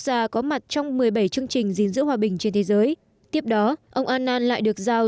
gia có mặt trong một mươi bảy chương trình gìn giữ hòa bình trên thế giới tiếp đó ông annan lại được giao